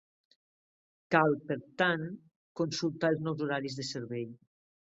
Cal, per tant, consultar els nous horaris de servei.